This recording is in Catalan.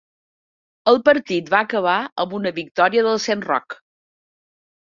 El partit va acabar amb una victòria del Saint Roch.